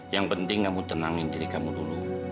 yang penting kamu tenangin diri kamu dulu